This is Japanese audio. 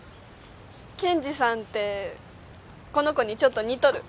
検事さんってこの子にちょっと似とる。